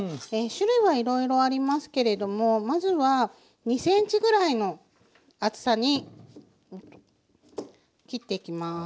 種類はいろいろありますけれどもまずは２ｃｍぐらいの厚さに切っていきます。